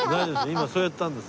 今そうやったんです。